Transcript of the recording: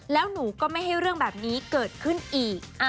แล้วหนูก็ไม่ให้เรื่องแบบนี้เกิดขึ้นอีก